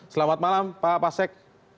selamat malam pak pasek